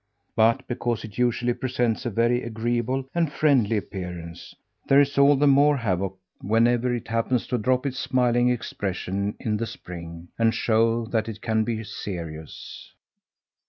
But, because it usually presents a very agreeable and friendly appearance, there is all the more havoc whenever it happens to drop its smiling expression in the spring, and show that it can be serious.